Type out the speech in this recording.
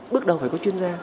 bước đầu phải có chuyên gia